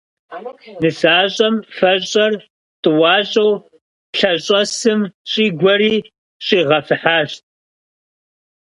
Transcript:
Нысащӏэм фэщӏэр тӏуащӏэу лъэщӏэсым щӏигуэри щӏигъэфыхьащ.